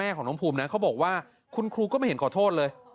ของน้องภูมินะเขาบอกว่าคุณครูก็ไม่เห็นขอโทษเลย